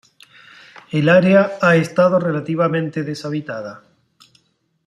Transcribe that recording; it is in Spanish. El área ha estado relativamente deshabitada.